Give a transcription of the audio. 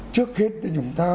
trước hết thì chúng ta